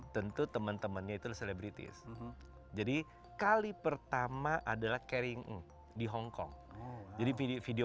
tentu temen temennya itu selebritis jadi kali pertama adalah caring di hongkong jadi video